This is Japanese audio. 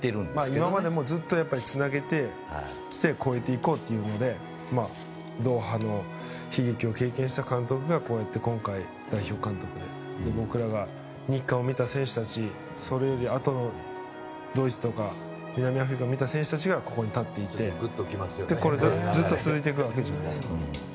今までもずっとつなげてきて超えて行こうっていうのでドーハの悲劇を経験した監督がこうやって今回、代表監督で僕らが、日韓を見た選手たちそれよりあとのドイツとか南アフリカを見た選手たちがここに立っていてこれがずっと続いていくわけじゃないですか。